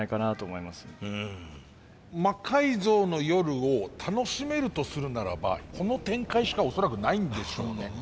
「魔改造の夜」を楽しめるとするならばこの展開しか恐らくないんでしょうね。